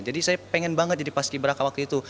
jadi saya pengen banget jadi paski beraka waktu itu